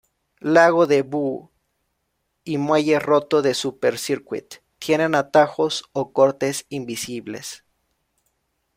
Lago de Boo y Muelle Roto de "Super Circuit" tienen atajos o cortes invisibles.